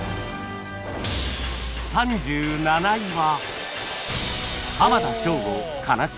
３７位は